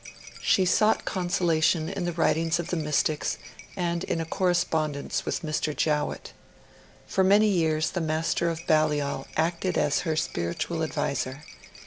She sought consolation in the writings of the Mystics and in a correspondence with Mr. Jowett. For many years the Master of Balliol acted as her spiritual adviser.